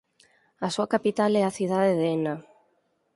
A súa capital é a cidade de Enna.